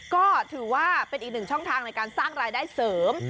ก็ถือว่าเป็นอีกหนึ่งช่องทางในการสร้างรายได้เสริม